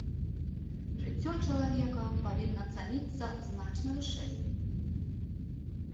Жыццё чалавека павінна цаніцца значна вышэй.